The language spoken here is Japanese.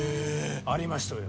ありましたよ